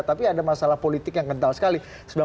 tapi ada masalah politik yang kental sekali